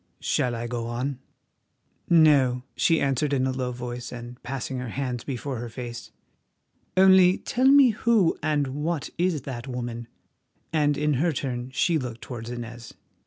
"Shall I go on?" "No," she answered in a low voice, and passing her hands before her face. "Only tell me who and what is that woman?" and in her turn she looked towards Inez.